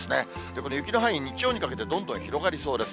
これ、雪の範囲、日曜にかけてどんどん広がりそうです。